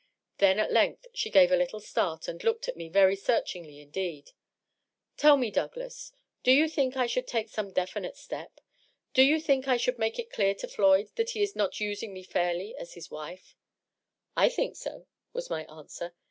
Then at length she gave a little start, and looked at me very searchingly indeed. " Tell me, Douglas— do you think I should take some definite step? Do you think I should make it clear to Floyd that he is not using me fidrly as his wife?*' " I think so," was my answer.